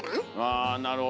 あなるほど。